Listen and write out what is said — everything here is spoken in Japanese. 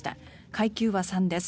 階級は３です。